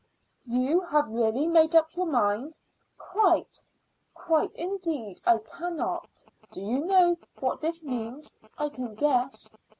"You have really made up your mind?" "Quite quite; indeed I cannot." "Do you know what this means?" "I can guess."